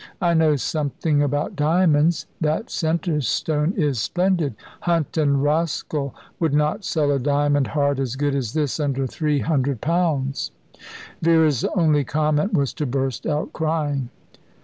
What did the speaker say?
"I know something about diamonds. That centre stone is splendid. Hunt and Roskell would not sell a diamond heart as good as this under three hundred pounds." Vera's only comment was to burst out crying.